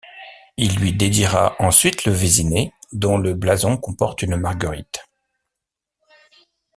Il lui dédiera ensuite Le Vésinet, dont le blason comporte une marguerite.